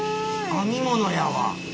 編み物やわ。